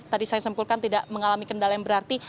tadi saya sempurna tidak mengalami kendala yang berbeda